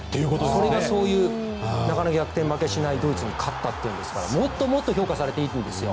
それがそういうなかなか逆転負けしないドイツに勝ったっていうんですからもっともっと評価されていいと思うんです。